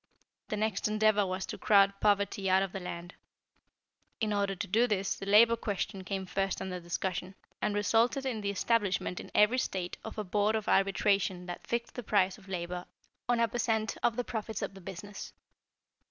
The next endeavor was to crowd poverty out of the land. In order to do this the Labor question came first under discussion, and resulted in the establishment in every state of a Board of Arbitration that fixed the price of labor on a per cent, of the profits of the business.